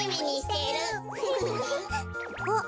あっ。